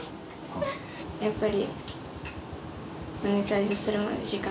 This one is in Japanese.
やっぱり。